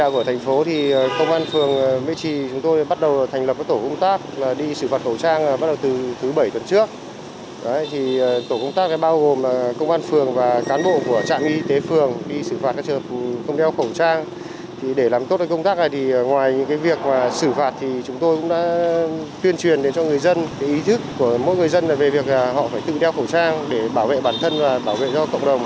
về việc họ phải tự đeo khẩu trang để bảo vệ bản thân và bảo vệ cho cộng đồng